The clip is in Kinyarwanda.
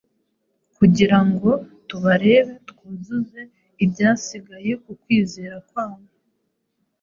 kugira ngo tubarebe twuzuze ibyasigaye ku kwizera kwanyu.”